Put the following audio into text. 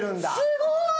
すごい。